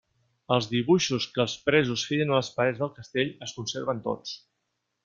Els dibuixos que els presos feien a les parets del castell es conserven tots.